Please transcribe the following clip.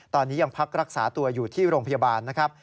ตอนนี้ยังพักรักษาตัวอยู่ที่โรงพยาบาลนะครับ